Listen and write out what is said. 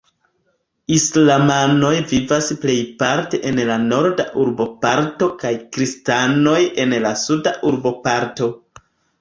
Islamanoj vivas plejparte en la norda urboparto kaj kristanoj en la suda urboparto.